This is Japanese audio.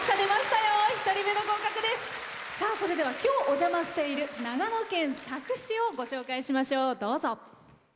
それでは今日、お邪魔している長野県佐久市をご紹介しましょう。